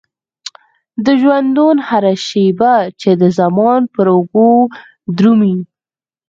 د ژوندون هره شيبه چې د زمان پر اوږو درومي.